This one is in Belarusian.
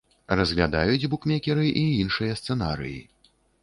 Разглядаюць букмекеры і іншыя сцэнарыі.